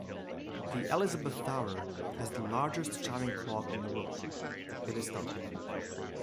The Elizabeth Tower has the largest chiming clock in the world; it is tall.